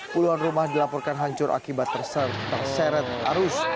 puluhan rumah dilaporkan hancur akibat terseret arus